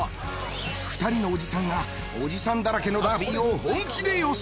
２人のおじさんがおじさんだらけのダービーを本気で予想。